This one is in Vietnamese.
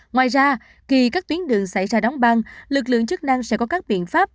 ngoài ra khi các tuyến đường xảy ra đóng băng lực lượng chức năng sẽ có các biện pháp